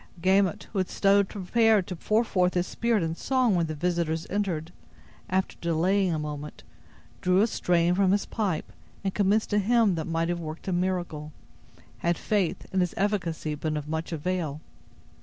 Gamut, who had stood prepared to pour forth his spirit in song when the visitors entered, after delaying a moment, drew a strain from his pipe, and commenced a hymn that might have worked a miracle, had faith in its efficacy been of much avail.